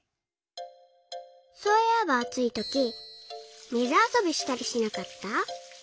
そういえばあついとき水あそびしたりしなかった？